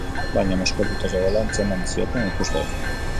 Baina mozkortuta zegoela antzeman zioten ikusleek.